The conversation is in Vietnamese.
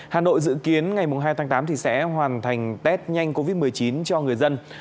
hà nội dự kiến ngày hai tháng tám sẽ hoàn thành test nhanh covid một mươi chín cho người dân